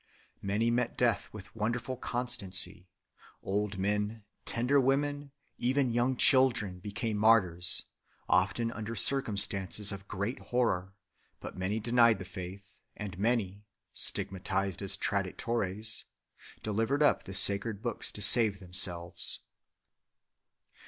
Many met death with wonderful constancy; old men, tender women, even young children became martyrs, often under circumstances of great horror ; but many denied the faith, and many . stigmatised as traditores delivered up the sacred books to save themselves.